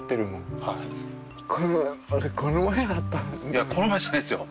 いやこの前じゃないっすよ。